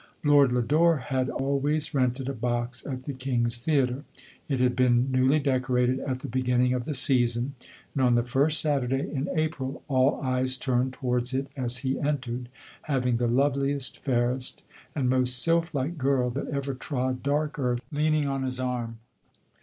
Lord Lodore had always rented a box at the King's Theatre. It had been newly decorated at the beginning of the season, and on the first Satur day in April all eyes turned towards it as lie entered, having the loveliest, fairest, and most sylph like girl, that ever trod dark earth, leaning on his arm.